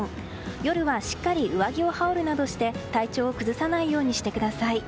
夜はしっかり上着を羽織るなどして体調を崩さないようにしてください。